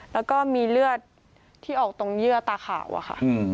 แล้วก็มีเลือดที่ออกตรงเยื่อตาขาวอะค่ะ